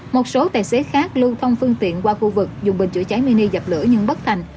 một số tài xế khác lưu thông phương tiện qua khu vực dùng bình chữa cháy mini dập lửa nhưng bất thành